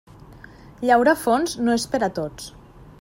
Llaurar fons no és per a tots.